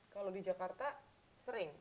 kalau di jakarta sering